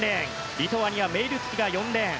リトアニアメイルティテが４レーン。